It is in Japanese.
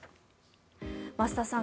増田さん